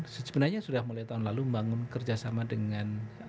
sebenarnya sudah mulai tahun lalu membangun kerjasama dengan